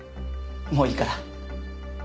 もういいから。